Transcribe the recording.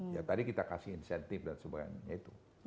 ya tadi kita kasih insentif dan sebagainya itu